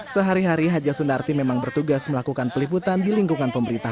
sehari hari haja sundarti memang bertugas melakukan peliputan di lingkungan pemerintah